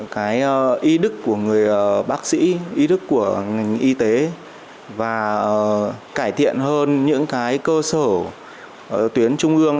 cái ý đức của người bác sĩ ý thức của ngành y tế và cải thiện hơn những cái cơ sở tuyến trung ương